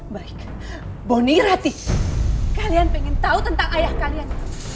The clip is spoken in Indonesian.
baik boni ratih kalian pengen tahu tentang ayah kalian